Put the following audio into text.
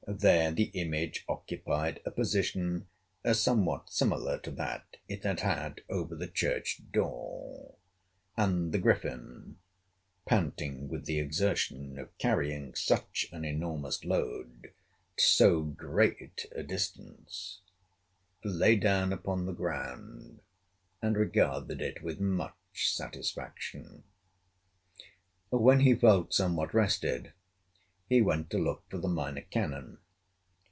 There the image occupied a position somewhat similar to that it had had over the church door; and the Griffin, panting with the exertion of carrying such an enormous load to so great a distance, lay down upon the ground, and regarded it with much satisfaction. When he felt somewhat rested he went to look for the Minor Canon.